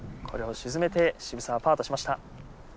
これを沈めて澁澤はパーとしました。